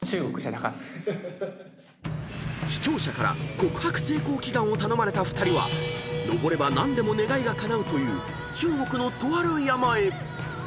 ［視聴者から告白成功祈願を頼まれた２人は登れば何でも願いがかなうという中国のとある山へ］